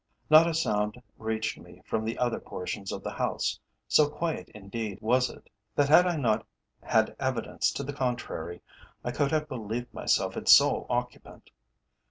Not a sound reached me from the other portions of the house; so quiet indeed was it, that had I not had evidence to the contrary, I could have believed myself its sole occupant.